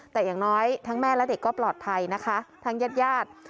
แต่อย่างน้อยทั้งแม่และเด็กก็ปลอดภัยนะคะทั้งญาติญาติ